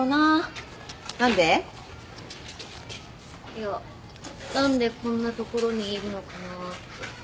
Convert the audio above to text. いや何でこんな所にいるのかなって。